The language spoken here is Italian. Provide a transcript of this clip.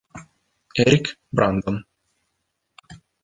Eric Brandon